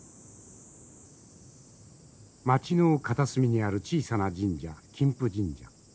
町の片隅にある小さな神社金峰神社。